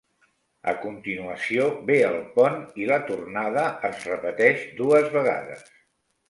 A continuació ve el pont i la tornada es repeteix dues vegades.